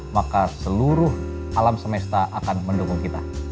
maka seluruh alam semesta akan mendukung kita